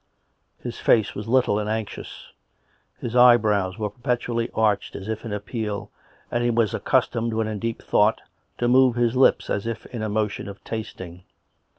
His face was little and anxious; his eyebrows were perpetually arched, as if in appeal, and he was accustomed, when in deep thought, to move his lips as if in a motion of tasting.